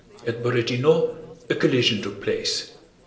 At Borodinó a collision took place.